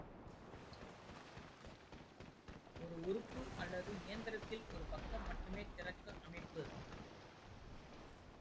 ஓர் உறுப்பு அல்லது எந்திரத்தில் ஒரு பக்கம் மட்டுமே திறக்கும் அமைப்பு.